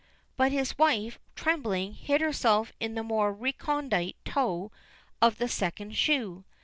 but his wife, trembling, hid herself in the more recondite toe of the second shoe.